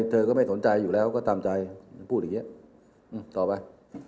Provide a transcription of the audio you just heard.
เธอก็ไม่สนใจอยู่แล้วก็ตามใจพูดอย่างนี้ต่อไป